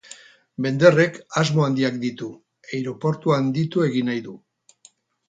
Bender-ek asmo handiak ditu; aireportua handitu egin nahi du.